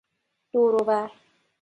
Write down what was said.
دور و ور